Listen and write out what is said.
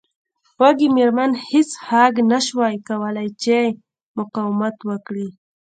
وږې میرمن هیج هاګ نشوای کولی چې مقاومت وکړي